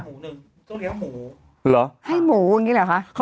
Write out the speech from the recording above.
หนึ่งต้องเลี้ยงหมูเหรอให้หมูอย่างนี้เหรอคะ